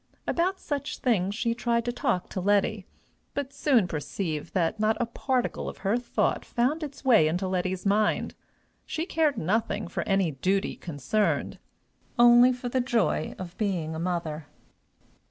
About such things she tried to talk to Letty, but soon perceived that not a particle of her thought found its way into Letty's mind: she cared nothing for any duty concerned only for the joy of being a mother.